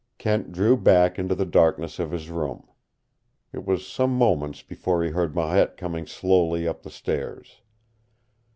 Kent drew back into the darkness of his room. It was some moments before he heard Marette coming slowly up the stairs.